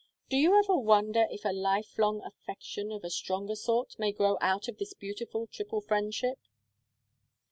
Do you ever wonder if a lifelong affection, of a stronger sort, may grow out of this beautiful triple friendship?"